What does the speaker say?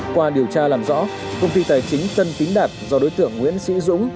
qua điều tra làm rõ công ty tài chính tân tín đạt do đối tượng nguyễn sĩ dũng